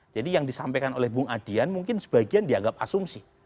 jadi yang disampaikan oleh bung adian mungkin sebagian dianggap asumsi